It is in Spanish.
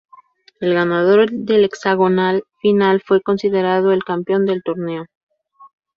El ganador del hexagonal final fue considerado el campeón del torneo.